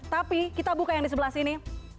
tapi kita buka yang di sebelah sini